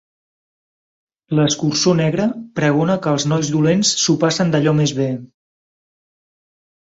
L'Escurçó Negre pregona que els nois dolents s'ho passen d'allò més bé.